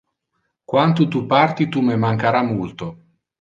Quantu tu parti tu me mancara multo.